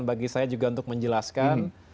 bagi saya juga untuk menjelaskan